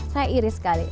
saya iri sekali